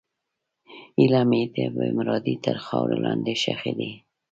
هیلې مې د بېمرادۍ تر خاورو لاندې ښخې دي.